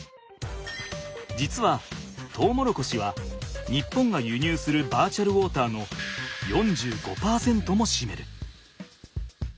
実はトウモロコシは日本が輸入するバーチャルウォーターの４５％もしめる。